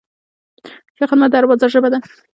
ښه خدمت د هر بازار ژبه ده.